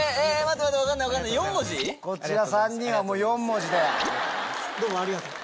こちら３人は４文字で。